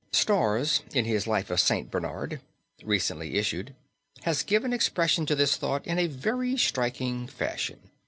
Storrs, in his life of St. Bernard, recently issued, has given expression to this thought in a very striking fashion.